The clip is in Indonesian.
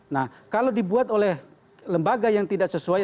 nah kalau dibuat oleh lembaga yang tidak sesuai